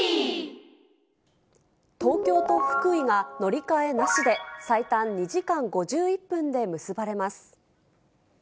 東京と福井が乗り換えなしで、最短２時間５１分で結ばれます。